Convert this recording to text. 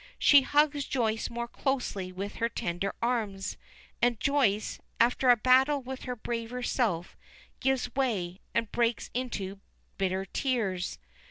She hugs Joyce more closely with her tender arms, and Joyce, after a battle with her braver self, gives way, and breaks into bitter tears.